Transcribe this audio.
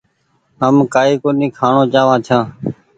هم ڪآئي ڪونيٚ کآڻو چآوآن ڇآن۔